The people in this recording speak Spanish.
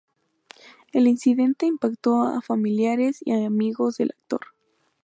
El incidente impactó a familiares y amigos del actor.